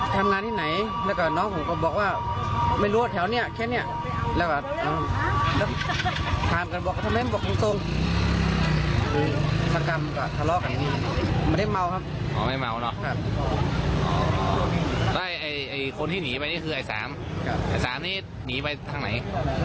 แล้วคนที่หนีไปนี่คือไอ้สามไอ้สามนี้หนีไปทางไหน